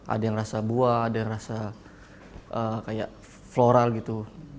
ada yang rasa buah ada yang rasa kayak floral gitu